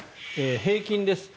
平均です。